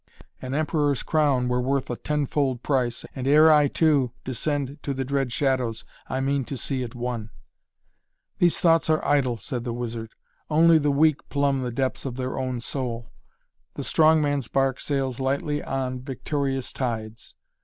An emperor's crown were worth a tenfold price, and ere I, too, descend to the dread shadows, I mean to see it won." "These thoughts are idle," said the wizard. "Only the weak plumb the depths of their own soul. The strong man's bark sails lightly on victorious tides.